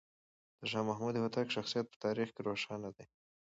د شاه محمود هوتک شخصیت په تاریخ کې روښانه دی.